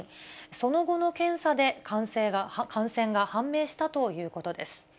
その後の検査で、感染が判明したということです。